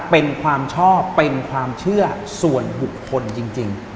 เป็นความชอบเป็นความเชื่อส่วนบุคคลจริง